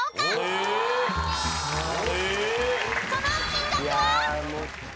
［その金額は？］